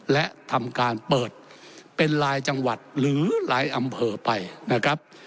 และทำการเปิดเป็นรายจังหวัดหรือหลายอำเภอไปนะครับ